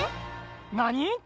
なに？